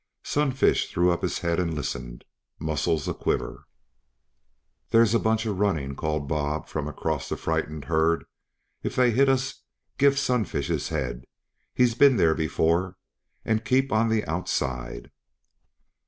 Sunfish threw up his head and listened, muscles a quiver. "There's a bunch a running," called Bob from across the frightened herd. "If they hit us, give Sunfish his head, he's been there before and keep on the outside!"